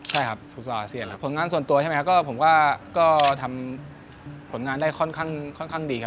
ใช่ครับซุปตาอาเซียนแล้วผลงานส่วนตัวใช่ไหมครับก็ผมก็ทำผลงานได้ค่อนข้างดีครับ